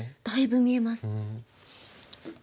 だいぶ見えます。